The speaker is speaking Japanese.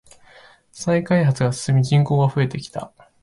再開発が進み人口が増えてきた。